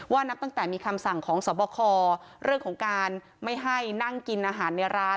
นับตั้งแต่มีคำสั่งของสอบคอเรื่องของการไม่ให้นั่งกินอาหารในร้าน